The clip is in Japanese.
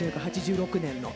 １９８６年の。